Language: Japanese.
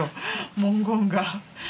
文言が。